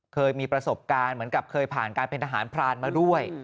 เคยมีประสบการณ์เหมือนกับเคยผ่านการเป็นทหารพรานมาด้วย